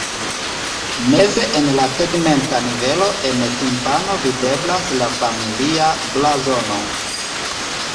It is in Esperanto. Meze en la tegmenta nivelo en timpano videblas la familia blazono.